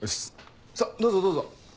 さぁどうぞどうぞ。